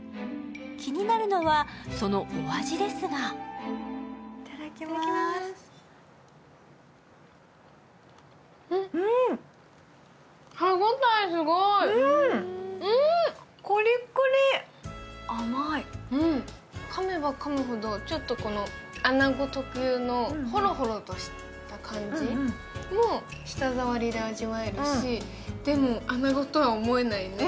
気になるのは、そのお味ですがかめばかむほど、ちょっと穴子特有のほろほろとした感じも舌触りで味わえるし、でも、穴子とは思えないね。